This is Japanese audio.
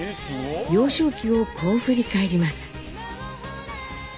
幼少期をこう振り返ります。